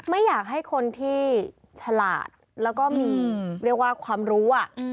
ไม่อยากให้คนที่ฉลาดแล้วก็มีเรียกว่าความรู้